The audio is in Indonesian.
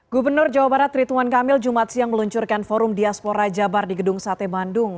gubernur jawa barat rituan kamil jumat siang meluncurkan forum diaspora jabar di gedung sate bandung